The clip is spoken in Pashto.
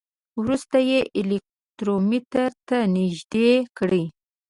وروسته یې الکترومتر ته نژدې کړئ.